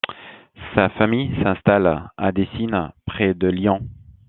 Sa famille s'installe à Décines, près de Lyon.